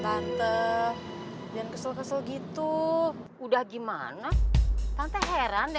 aduh yuk kita ke kasir tante